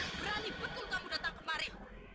berani betul kamu datang kemarin